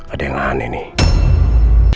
ada yang aneh nih